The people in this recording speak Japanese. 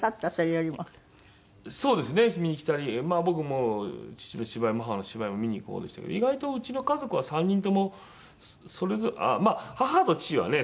見に来たり僕も父の芝居も母の芝居も見に行く方でしたけど意外とうちの家族は３人ともそれぞれ母と父はね